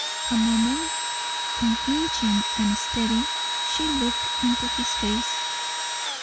A moment unflinching and steady she looked into his face.